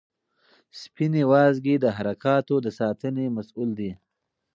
سپینې وازګې د حرکاتو د ساتنې مسؤل دي.